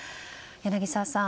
柳澤さん